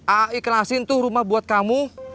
aai kelasin tuh rumah buat kamu